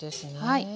はい。